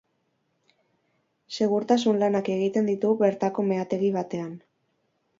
Segurtasun lanak egiten ditu bertako meategi batean.